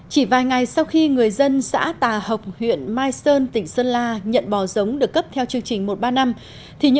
chỉ vài ngày sau khi người dân xã tà học huyện mai sơn tỉnh sơn la nhận bò giống được cấp theo chương trình một ba năm